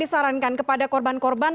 disarankan kepada korban korban